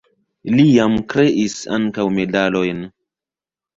Li jam kreis ankaŭ medalojn.